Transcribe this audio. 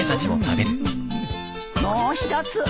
もう一つ。